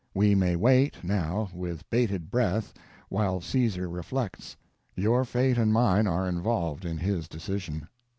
We may wait, now, with bated breath, while Caesar reflects. Your fate and mine are involved in his decision.